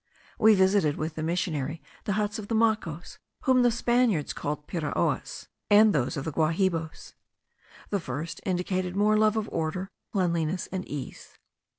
We visited with the missionary the huts of Macos, whom the Spaniards call Piraoas, and those of the Guahibos. The first indicated more love of order, cleanliness, and ease.